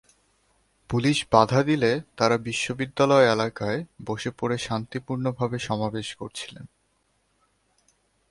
Police বাধা দিলে তাঁরা বিশ্ববিদ্যালয় এলাকায় বসে পড়ে শান্তিপূর্ণভাবে সমাবেশ করছিলেন।